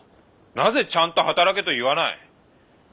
なぜちゃんと働けと言わない！？